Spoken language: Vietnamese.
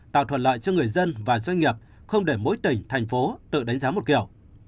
tạo thuận lợi cho người dân và doanh nghiệp không để mỗi tỉnh thành phố tự đánh giá một kiểu